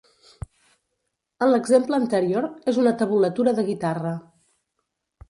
En l'exemple anterior és una tabulatura de guitarra.